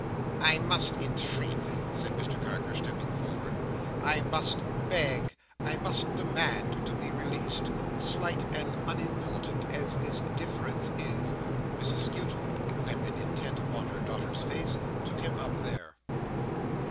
"I must entreat," said Mr Carker, stepping forward, "I must beg, I must demand, to be released. Slight and unimportant as this difference is—" Mrs Skewton, who had been intent upon her daughter's face, took him up here.